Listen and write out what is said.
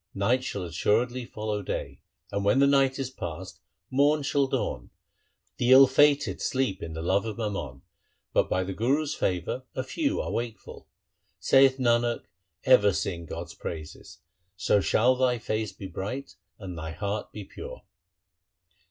Night shall assuredly follow day. And when the night is passed, morn shall dawn. The ill fated sleep in the love of mammon, But by the Guru's favour a few are wakeful. Saith Nanak, ever sing God's praises, So shall thy face be bright and thy heart be pure.